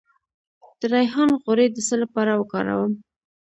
د ریحان غوړي د څه لپاره وکاروم؟